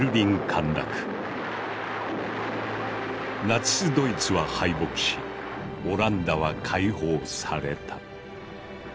ナチスドイツは敗北しオランダは解放された。